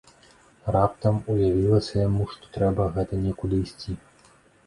Раптам уявілася яму, што трэба гэта некуды ісці.